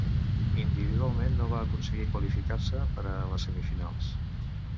Individualment no va aconseguir qualificar-se per a les semifinals.